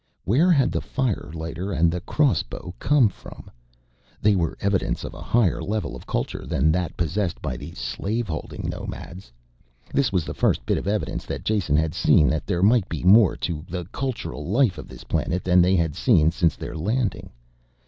Where had the firelighter and the crossbow come from? They were evidence of a higher level of culture than that possessed by these slave holding nomads. This was the first bit of evidence that Jason had seen that there might be more to the cultural life of this planet than they had seen since their landing.